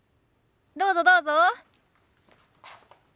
どうぞどうぞ。